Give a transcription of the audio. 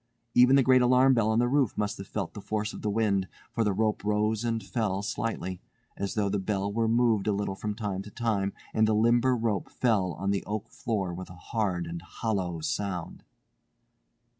Even the great alarm bell on the roof must have felt the force of the wind, for the rope rose and fell slightly, as though the bell were moved a little from time to time and the limber rope fell on the oak floor with a hard and hollow sound.